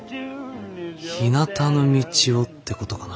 「ひなたの道を」ってことかな。